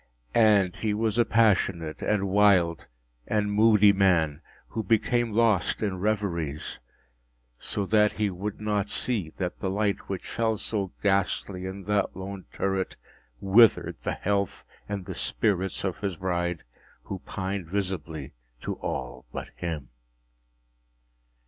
And he was a passionate, and wild, and moody man, who became lost in reveries; so that he would not see that the light which fell so ghastly in that lone turret withered the health and the spirits of his bride, who pined visibly to all but him.